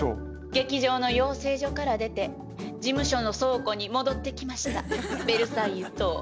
劇場の養成所から出て事務所の倉庫に戻ってきましたベルサイユと申します。